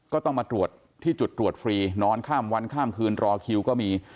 ก็ต้องมาตรวจที่จุดตรวจฟรีนอนข้ามวันข้ามคืนรอคิวก็มี